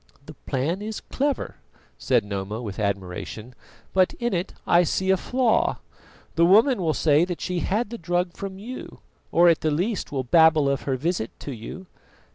"The plan is clever," said Noma with admiration, "but in it I see a flaw. The woman will say that she had the drug from you, or, at the least, will babble of her visit to you."